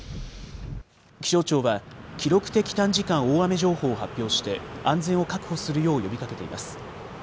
気象庁は記録的短時間大雨情報を発表して安全を確保するよう呼びかけています。